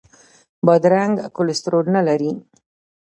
بادرنګ کولیسټرول نه لري.